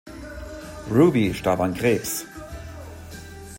Rubey starb an Krebs.